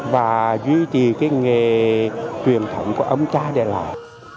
và duy trì nghề truyền thống của ông cha đại lạc